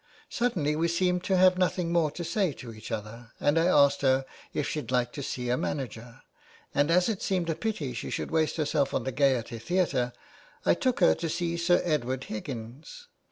Suddenly we seemed to have nothing more to say to each other, and I asked her if she'd like to see a manager, and as it seemed a pity she should waste herself on the Gaiety Theatre I took her to see Sir Edward Higgins.